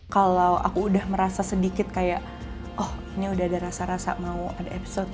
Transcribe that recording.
kalau aku udah merasa sedikit kayak oh ini udah ada rasa rasa mau ada episode